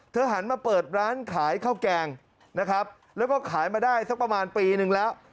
หันมาเปิดร้านขายข้าวแกงนะครับแล้วก็ขายมาได้สักประมาณปีนึงแล้ว